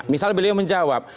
misalnya beliau menjawab